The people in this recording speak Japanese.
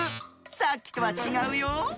さっきとはちがうよ。